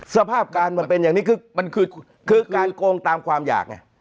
สภาพการมันเป็นอย่างนี้คือมันคือการโกงตามความอยากไง